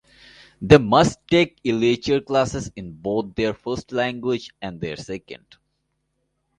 They must take literature classes in both their first language and their second.